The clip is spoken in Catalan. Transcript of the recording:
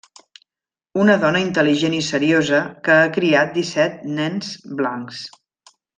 Una dona intel·ligent i seriosa que ha criat disset nens blancs.